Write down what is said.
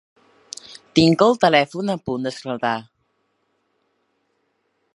Tinc el telèfon a punt d'esclatar.